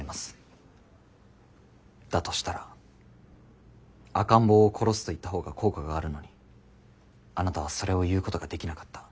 だとしたら「赤ん坊を殺す」と言ったほうが効果があるのにあなたはそれを言うことができなかった。